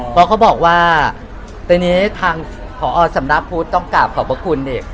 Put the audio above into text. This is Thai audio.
เพราะเขาบอกว่าทีนี้ทางผอสำนาคพุทธต้องกลับขอบคุณเนี่ย